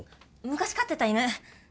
昔飼ってた犬。